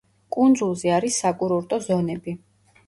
კუნძულზე არის საკურორტო ზონები.